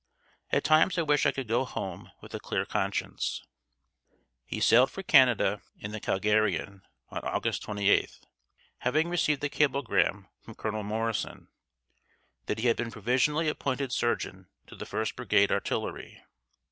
At times I wish I could go home with a clear conscience." He sailed for Canada in the 'Calgarian' on August 28th, having received a cablegram from Colonel Morrison, that he had been provisionally appointed surgeon to the 1st Brigade Artillery.